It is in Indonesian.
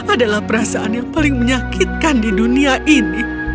adalah perasaan yang paling menyakitkan di dunia ini